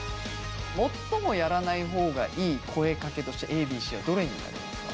最もやらない方がいい声かけとしてＡＢＣはどれになりますか？